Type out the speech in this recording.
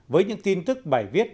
với những tin tức bài viết